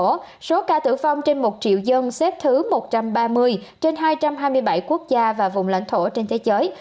trong đó số ca tử vong trên một triệu dân xếp thứ một trăm ba mươi trên hai trăm hai mươi bảy quốc gia và vùng lãnh thổ trên thế giới